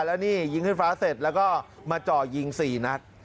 แล้วนี่ยิงขึ้นฟ้าเสร็จแล้วก็มาจ่อยิง๔นัด